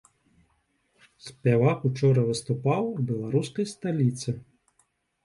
Спявак учора выступаў у беларускай сталіцы.